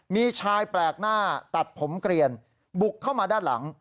มีชายแปลกหน้าตัดผมเกลียนบุกเข้ามาด้านหลัง